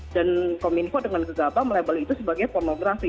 dan kominfo dengan gegabah melebel itu sebagai pornografi